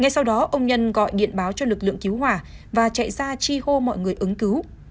ngay sau đó ông nhân gọi điện báo cho lực lượng cứu hỏa và chạy ra chi hô mọi người ứng cứu